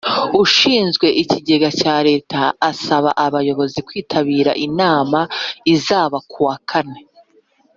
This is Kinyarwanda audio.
ushinzwe Ikigega cya Leta asaba Abayobozi kwitabira inama izaba kuwa kane